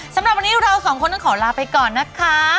สำหรับวันนี้เราสองคนต้องขอลาไปก่อนนะคะ